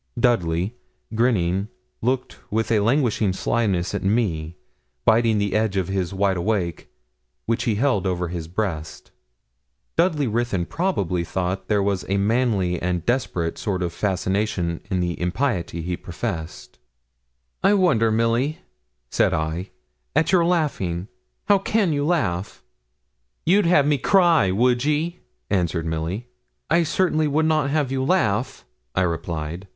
Dudley, grinning, looked with a languishing slyness at me, biting the edge of his wide awake, which he held over his breast. Dudley Ruthyn probably thought there was a manly and desperate sort of fascination in the impiety he professed. 'I wonder, Milly,' said I, 'at your laughing. How can you laugh?' 'You'd have me cry, would ye?' answered Milly. 'I certainly would not have you laugh,' I replied.